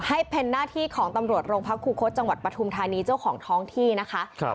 ให้เป็นหน้าที่ของตำรวจโรงพักครูคศจังหวัดปฐุมธานีเจ้าของท้องที่นะคะ